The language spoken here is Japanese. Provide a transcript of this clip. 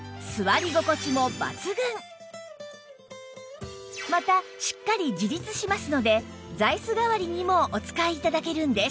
さらにまたしっかり自立しますので座椅子代わりにもお使い頂けるんです